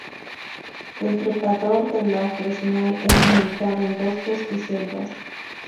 El Trepador de Lafresnaye es limitado en bosques y selvas.